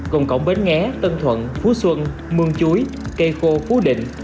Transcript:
gồm cổng bến nghé tân thuận phú xuân mương chuối cây khô phú định